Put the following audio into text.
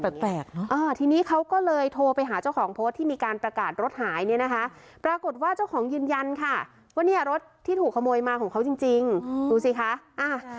แปลกเนอะอ่าทีนี้เขาก็เลยโทรไปหาเจ้าของโพสต์ที่มีการประกาศรถหายเนี่ยนะคะปรากฏว่าเจ้าของยืนยันค่ะว่าเนี่ยรถที่ถูกขโมยมาของเขาจริงจริงดูสิคะอ่ะ